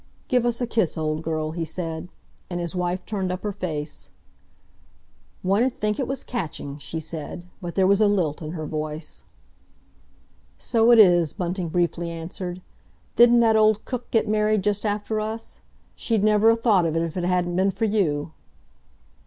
"Give us a kiss, old girl," he said. And his wife turned up her face. "One 'ud think it was catching!" she said, but there was a lilt in her voice. "So it is," Bunting briefly answered. "Didn't that old cook get married just after us? She'd never 'a thought of it if it hadn't been for you!"